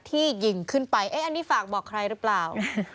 ที่ยิงขึ้นไปอันนี้ฝากบอกใครหรือเปล่า